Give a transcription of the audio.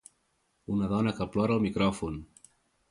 Una dona que plora al micròfon.